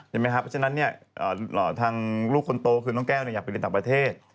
เพราะฉะนั้นทางลูกคนโตคือน้องแก้วอยากไปเรียนต่างประเทศ